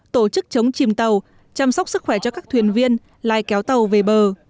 tổ chức chống chìm tàu chăm sóc sức khỏe cho các thuyền viên lai kéo tàu về bờ